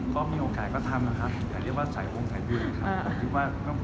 ก็มีโอกาสก็ทำนะครับอย่าเรียกว่าสายวงสายบุญครับ